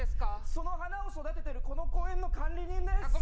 その花を育ててる、この公園の管理人です。